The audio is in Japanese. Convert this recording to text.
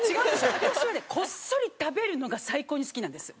私はねこっそり食べるのが最高に好きなんです。